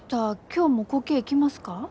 あ今日もこけえ来ますか？